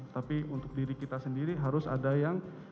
tapi untuk diri kita sendiri harus ada yang